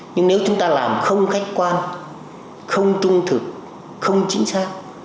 nhưng nếu chúng ta làm không khách quan không trung thực không chính xác